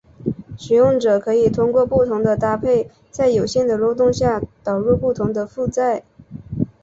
使用者可以通过不同的搭配在有限的漏洞下导入不同的负载。